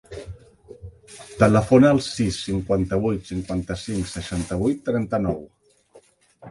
Telefona al sis, cinquanta-vuit, cinquanta-cinc, seixanta-vuit, trenta-nou.